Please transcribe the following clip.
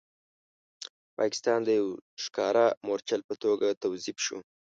پاکستان د یو ښکاره مورچل په توګه توظیف شو.